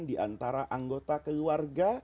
di antara anggota keluarga